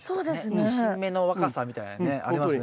新芽の若さみたいなねありますね。